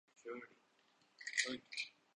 expo centre Lahore میں Pak China زرعی الات کی نمائش